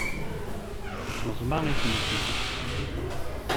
Tettneẓma i tmeddit-is.